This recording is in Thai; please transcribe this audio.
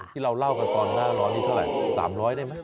ที่เราเล่ากันตอนหน้าร้อนนี่เท่าไหร่๓๐๐ได้ไหม